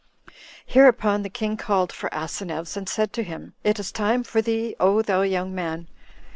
Hereupon the king called for Asineus, and said to him, "It is time for thee, O thou young man!